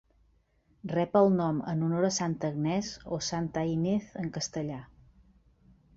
Rep el nom en honor a Santa Agnès o "Santa Ynez" en castellà.